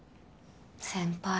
先輩。